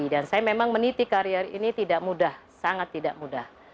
dan saya memang meniti karier ini tidak mudah sangat tidak mudah